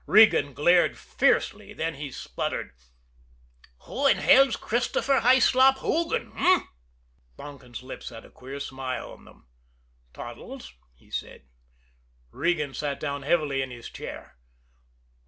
Regan glared fiercely then he spluttered: "Who in hell's Christopher Hyslop Hoogan h'm?" Donkin's lips had a queer smile on them. "Toddles," he said. Regan sat down heavily in his chair.